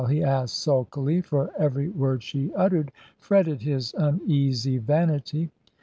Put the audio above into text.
he asked sulkily, for every word she uttered fretted his uneasy vanity.